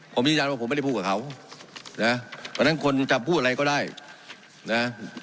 ผมยืนยันว่าผมไม่ได้พูดกับเขานะเพราะฉะนั้นคนจะพูดอะไรก็ได้นะ